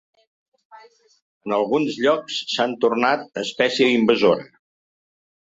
En alguns llocs s'han tornat espècie invasora.